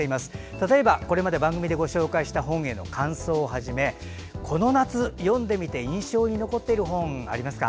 例えばこれまで番組でご紹介した本への感想をはじめこの夏読んでみて印象に残っている本ありますか？